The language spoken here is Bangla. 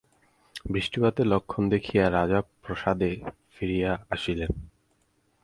বৃষ্টিপাতের লক্ষণ দেখিয়া রাজা প্রাসাদে ফিরিয়া আসিলেন।